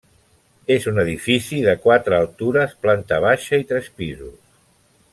És un edifici de quatre altures, planta baixa i tres pisos.